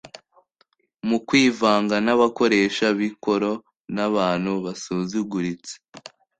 Mu kwivanga n'abakoresha b'ikoro n'abantu basuzuguritse,